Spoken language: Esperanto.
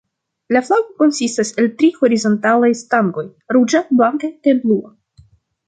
La flago konsistas el tri horizontalaj stangoj: ruĝa, blanka kaj blua.